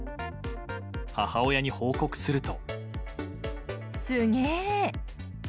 母親に報告すると。